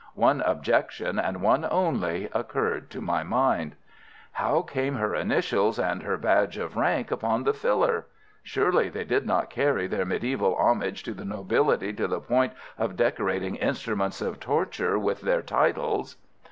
One objection, and one only, occurred to my mind. "How came her initials and her badge of rank upon the filler? Surely they did not carry their medieval homage to the nobility to the point of decorating instruments of torture with their titles?"